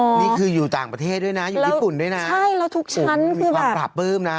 นี่คืออยู่ต่างประเทศด้วยนะอยู่ญี่ปุ่นด้วยนะใช่แล้วทุกชั้นคือความปราบปลื้มนะ